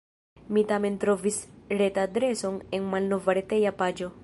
Mi tamen trovis retadreson en malnova reteja paĝo.